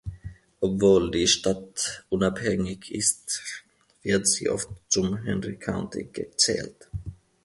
Obwohl die Stadt unabhängig ist, wird sie oft zum Henry County gezählt.